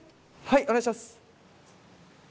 はいお願いします。